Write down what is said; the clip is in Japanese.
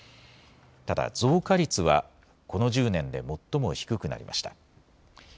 ただ増加率はこの１０年で最も低くなりました。